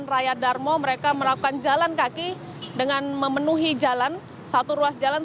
dan raya darmo mereka melakukan jalan kaki dengan memenuhi jalan satu ruas jalan